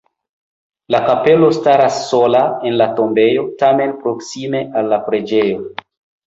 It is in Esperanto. La kapelo staras sola en la tombejo, tamen proksime al la preĝejo.